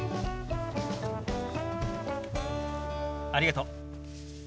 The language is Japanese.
ありがとう。